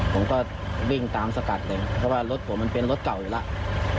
ผมก็วิ่งตามสกัดเลยเพราะว่ารถผมมันเป็นรถเก่าอยู่แล้ว